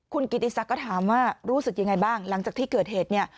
คุณกิติศักดิ์ถามว่ารู้สึกยังไงบ้างหลังจากที่เกิดเหตุเนี่ย